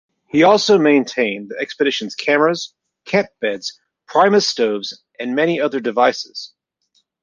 He also maintained the expedition's cameras, camp beds, primus stoves and many other devices.